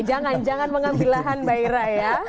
jangan jangan mengambil lahan mbak ira ya